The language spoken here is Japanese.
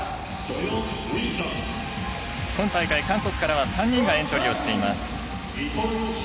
今大会、韓国からは３人がエントリーしています。